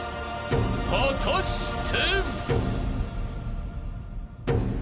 ［果たして］